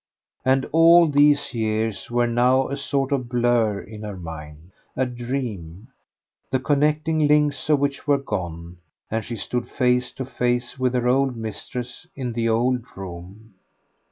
And all these years were now a sort of a blur in her mind a dream, the connecting links of which were gone, and she stood face to face with her old mistress in the old room.